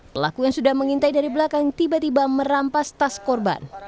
pelaku yang sudah mengintai dari belakang tiba tiba merampas tas korban